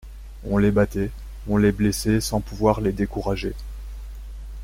On les battait, on les blessait sans pouvoir les décourager.